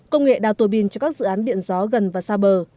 công nghệ đào tùa pin cho các dự án điện gió gần và xa bờ